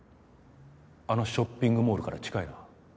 あのショッピングモールから近いな。